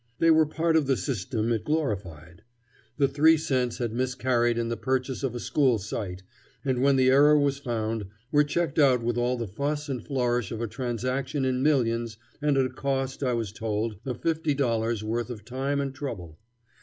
They were part of the system it glorified. The three cents had miscarried in the purchase of a school site, and, when the error was found, were checked out with all the fuss and flourish of a transaction in millions and at a cost, I was told, of fifty dollars' worth of time and trouble.